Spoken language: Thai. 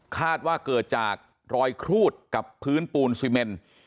คาดว่าเกิดจากรอยครูดกับพื้นปูนซีเมน